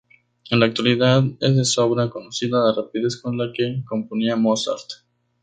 En la actualidad, es de sobra conocida la rapidez con la que componía Mozart.